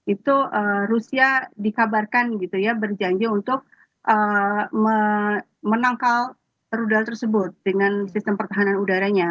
itu rusia dikabarkan gitu ya berjanji untuk menangkal rudal tersebut dengan sistem pertahanan udaranya